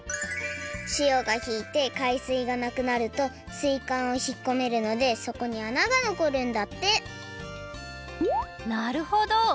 しおがひいて海水がなくなると水かんをひっこめるのでそこに穴がのこるんだってなるほど！